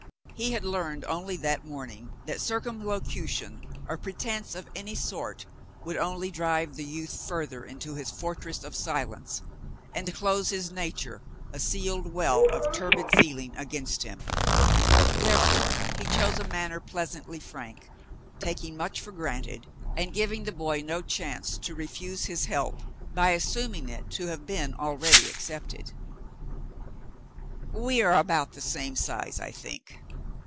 He had learned only that morning that circumlocution or pretence of any sort would only drive the youth further into his fortress of silence, and close his nature, a sealed well of turbid feeling, against him ; therefore he chose a manner pleasantly frank, taking much for granted, and giving the boy no chance to refuse his help, by assuming it to have been already accepted. "We are about the same size, I think